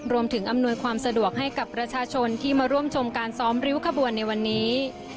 อำนวยความสะดวกให้กับประชาชนที่มาร่วมชมการซ้อมริ้วขบวนในวันนี้